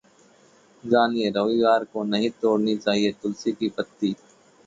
जानिए, रविवार को क्यों नहीं तोड़नी चाहिए तुलसी की पत्ती